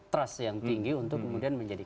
trust yang tinggi untuk kemudian menjadi